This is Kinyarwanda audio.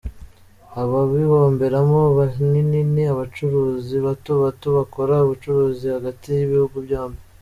Ababihomberamo ahanini ni abacuruzi bato bato bakora ubucurizi hagati y’ibihugu byombi.